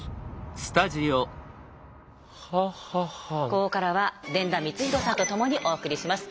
ここからは傳田光洋さんとともにお送りします。